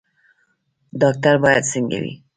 ډاکټر باید څنګه وي؟